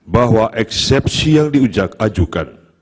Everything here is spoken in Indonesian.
bahwa eksepsi yang diujak ajukan